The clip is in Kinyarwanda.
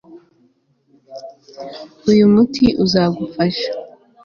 Uyu muti uzagufasha